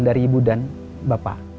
dari ibu dan bapak